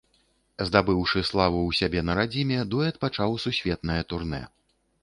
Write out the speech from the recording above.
Здабыўшы славу ў сябе на радзіме, дуэт пачаў сусветнае турнэ.